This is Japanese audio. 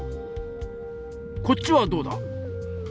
こっちはどうだ？